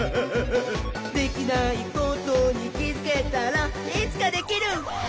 「できないことにきづけたらいつかできるひゃっほ」